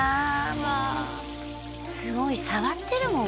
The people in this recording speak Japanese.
もうすごい触ってるもん